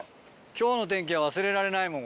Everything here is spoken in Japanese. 今日の天気は忘れられないもん。